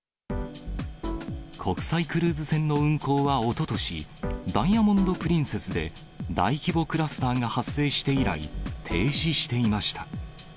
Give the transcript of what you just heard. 国際クルーズ船の運航はおととし、ダイヤモンド・プリンセスで大規模クラスターが発生して以来、停止していました。